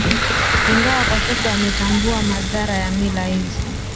ingawa kwa sasa wametambua madhara ya mila hizo